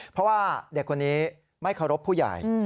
เพราะว่าเด็กคนนี้ไม่เคารพผู้ใหญ่